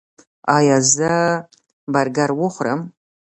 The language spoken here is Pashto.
ایا زه برګر وخورم؟